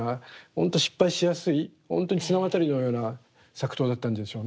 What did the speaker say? ほんと失敗しやすいほんとに綱渡りのような作陶だったんでしょうね。